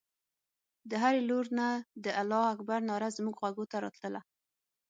د هرې لور نه د الله اکبر ناره زموږ غوږو ته راتلله.